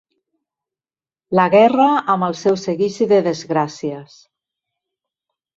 La guerra amb el seu seguici de desgràcies.